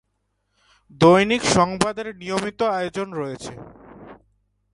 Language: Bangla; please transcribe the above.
দৈনিক সংবাদের নিয়মিত আয়োজনে রয়েছেঃ